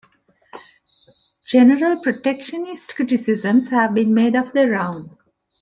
General protectionist criticisms have been made of the round.